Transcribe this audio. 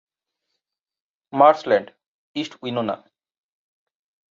Marshland - East Winona.